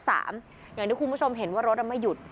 อย่างที่คุณผู้ชมเห็นว่ารถไม่หยุด